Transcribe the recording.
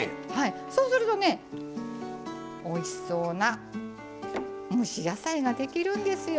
そうするとねおいしそうな蒸し野菜ができるんですよ。